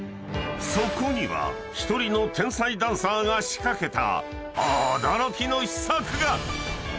［そこには１人の天才ダンサーが仕掛けた］